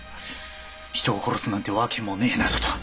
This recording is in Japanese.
人を殺すなんて訳もねえ」などと。